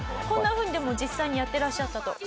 こんな風にでも実際にやってらっしゃったと。